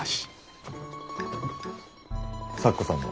咲子さんも。